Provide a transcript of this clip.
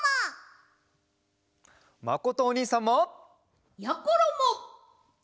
まことおにいさんも！やころも！